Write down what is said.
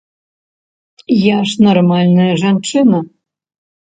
Я ж нармальная жанчына!